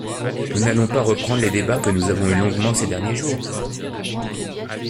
Nous n’allons pas reprendre les débats que nous avons eus longuement ces derniers jours.